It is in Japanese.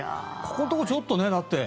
ここのところちょっとね。